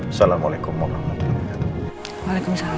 assalamualaikum warahmatullahi wabarakatuh